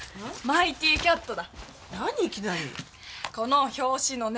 マイティキャット。